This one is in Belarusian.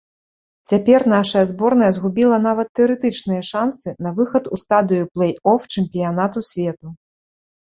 Цяпер нашая зборная згубіла нават тэарэтычныя шанцы на выхад у стадыю плэй-оф чэмпіянату свету.